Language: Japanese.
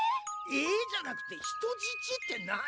「え？」じゃなくて人質って何？